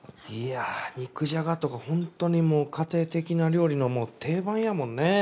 いやぁ肉じゃがとかホントにもう家庭的な料理の定番やもんね。